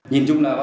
nhìn chung là